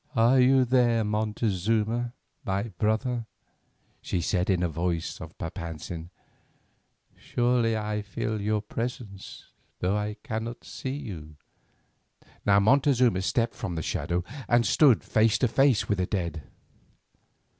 "Are you there, Montezuma, my brother?" she said in the voice of Papantzin; "surely I feel your presence though I cannot see you." Now Montezuma stepped from the shadow and stood face to face with the dead.